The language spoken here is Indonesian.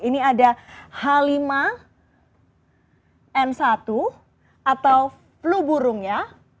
ini ada h lima n satu atau flu burung ya